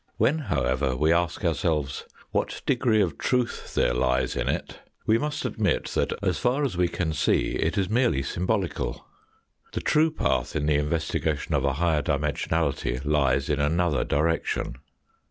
When, however, we ask ourselves what degree of truth there lies in it, we must admit that, as far as we can see, it is merely sym bolical. The true path in the investigation of a higher dimensionality lies in another direction.